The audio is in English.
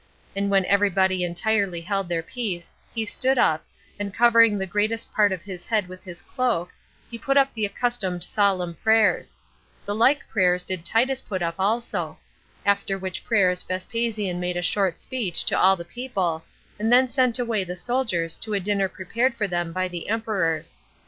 And when every body entirely held their peace, he stood up, and covering the greatest part of his head with his cloak, he put up the accustomed solemn prayers; the like prayers did Titus put up also; after which prayers Vespasian made a short speech to all the people, and then sent away the soldiers to a dinner prepared for them by the emperors.